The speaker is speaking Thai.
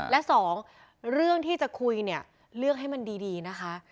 และสองเรื่องที่จะคุยเนี่ยเลือกให้มันดีนะคะ